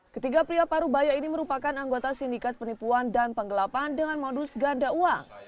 ketiga pria parubaya ini merupakan anggota sindikat penipuan dan penggelapan dengan modus ganda uang